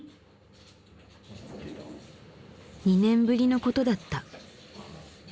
２年ぶりのことだった。